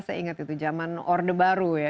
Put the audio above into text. saya ingat itu zaman orde baru ya